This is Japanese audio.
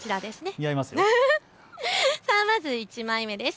まず１枚目です。